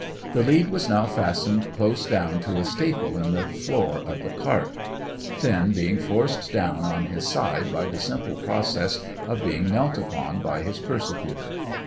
The lead was now fastened close down to a staple in the floor of the cart, Finn being forced down on his side by the simple process of being knelt upon by his persecutor.